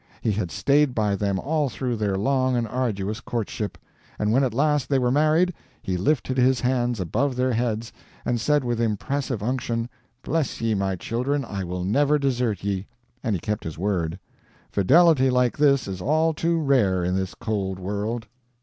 He had stayed by them all through their long and arduous courtship; and when at last they were married, he lifted his hands above their heads, and said with impressive unction, "Bless ye, my children, I will never desert ye!" and he kept his word. Fidelity like this is all too rare in this cold world.